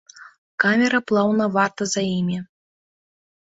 Камера плаўна варта за імі.